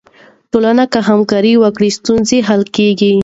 ټولنه که همکاري وکړي، ستونزې حل کیږي.